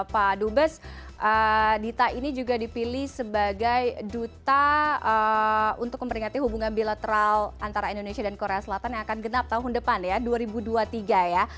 pak dubes dita ini juga dipilih sebagai duta untuk memperingati hubungan bilateral antara indonesia dan korea selatan yang akan genap tahun depan ya dua ribu dua puluh tiga ya